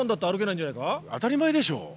当たり前でしょ。